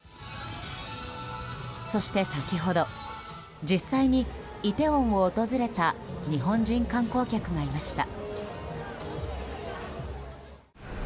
そして、先ほど実際にイテウォンを訪れた日本人観光客がいました。